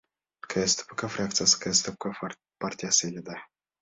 КСДП фракциясы — КСДП партиясы эле да.